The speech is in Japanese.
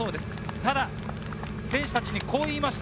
ただ選手たちにこう言いました。